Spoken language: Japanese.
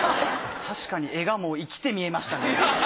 確かに絵がもう生きて見えましたね。